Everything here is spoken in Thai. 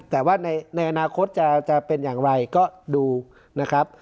แต่ว่าในอนาคตจะเป็นอย่างไรก็ดูนะครับ